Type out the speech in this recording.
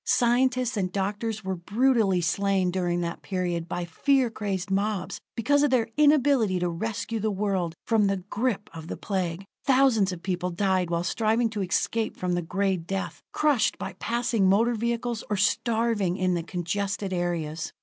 Scientists and doctors were brutally slain during that period by fear crazed mobs, because of their inability to rescue the world from the grip of the Plague. Thousands of people died while striving to escape from the Gray Death, crushed by passing motor vehicles, or starving in the congested areas.